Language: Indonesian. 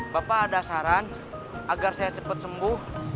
bapak ada saran agar saya cepat sembuh